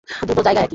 দুটো জায়গা একই।